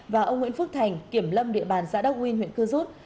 và ông nguyễn phước thành kiểm lâm địa bàn giã đắc huy huyện cư rút